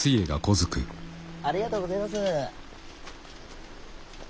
ありがとうごぜます。